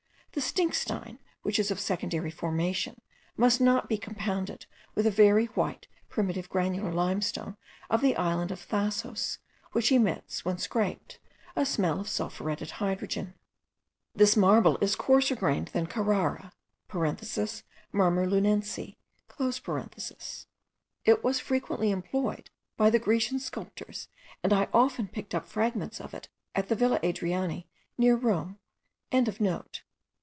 The stinkstein which is of secondary formation, must not be confounded with a very white primitive granular limestone of the island of Thasos, which emits, when scraped, a smell of sulphuretted hydrogen. This marble is coarser grained than Carrara (Marmor lunense). It was frequently employed by the Grecian sculptors, and I often picked up fragments of it at the Villa Adriani, near Rome.)